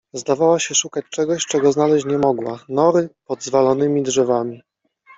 Zdawała się szukać czegoś, czego znaleźć nie mogła. Nory pod zwalonymi drzewami